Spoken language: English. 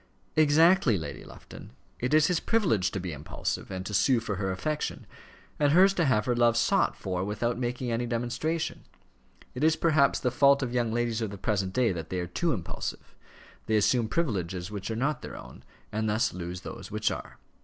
"Exactly, Lady Lufton. It is his privilege to be impulsive and to sue for her affection, and hers to have her love sought for without making any demonstration. It is perhaps the fault of young ladies of the present day that they are too impulsive. They assume privileges which are not their own, and thus lose those which are."